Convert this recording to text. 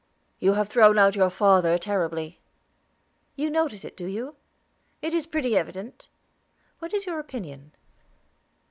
"You have thrown out your father terribly." "You notice it, do you?" "It is pretty evident." "What is your opinion?"